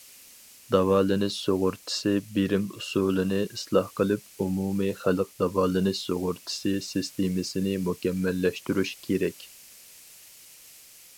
داۋالىنىش سۇغۇرتىسى بېرىم ئۇسۇلىنى ئىسلاھ قىلىپ، ئومۇمىي خەلق داۋالىنىش سۇغۇرتىسى سىستېمىسىنى مۇكەممەللەشتۈرۈش كېرەك.